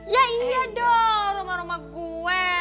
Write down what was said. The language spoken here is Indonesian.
ya iya dong rumah rumah gue